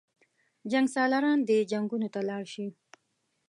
جنګسالاران دې جنګونو ته لاړ شي.